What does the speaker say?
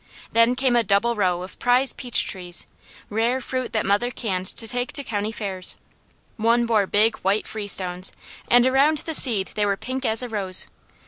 Then came a double row of prize peach trees; rare fruit that mother canned to take to county fairs. One bore big, white freestones, and around the seed they were pink as a rose.